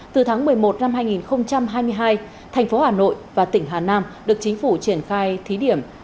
từ tháng một mươi một năm hai nghìn hai mươi hai thành phố hà nội và tỉnh hà nam được chính phủ triển khai thí điểm